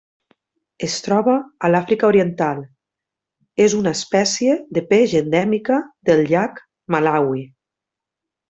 Es troba a l'Àfrica Oriental: és una espècie de peix endèmica del llac Malawi.